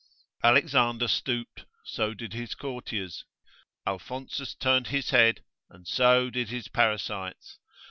Alexander stooped, so did his courtiers; Alphonsus turned his head, and so did his parasites.